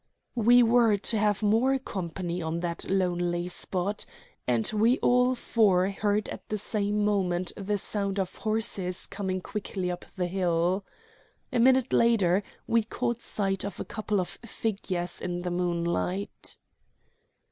We were to have more company on that lonely spot; and we all four heard at the same moment the sound of horses coming quickly up the hill. A minute later we caught sight of a couple of figures in the moonlight.